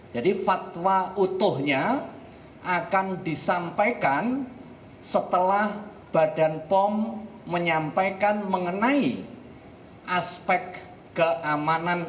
jadi fatwa utuhnya akan disampaikan setelah badan pom menyampaikan mengenai aspek keamanan